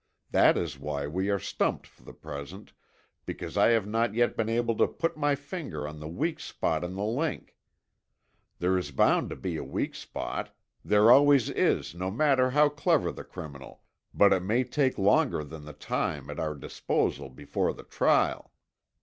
That is why we are stumped for the present, because I have not yet been able to put my finger on the weak spot in the link. There is bound to be a weak spot, there always is no matter how clever the criminal, but it may take longer than the time at our disposal before the trial.